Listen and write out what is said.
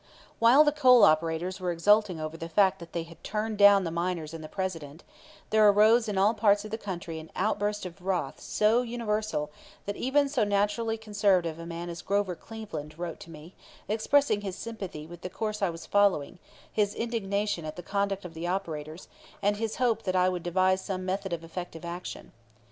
While the coal operators were exulting over the fact that they had "turned down" the miners and the President, there arose in all parts of the country an outburst of wrath so universal that even so naturally conservative a man as Grover Cleveland wrote to me, expressing his sympathy with the course I was following, his indignation at the conduct of the operators, and his hope that I would devise some method of effective action.